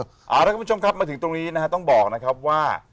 เอาละคุณผู้ชมครับมาถึงตรงนี้นะฮะต้องบอกนะครับว่า